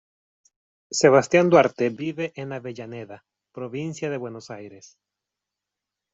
Sebastián Duarte vive en Avellaneda, provincia de Buenos Aires.